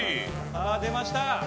さあ出ました！